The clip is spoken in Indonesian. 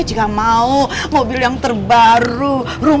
dia juga tau lo tidak standard green